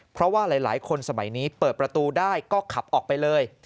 เพราะว่าหลายคนสมัยนี้เปิดประตูได้ก็ขับออกไปเลย